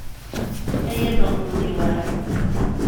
Ay ameɣbun-iw ah.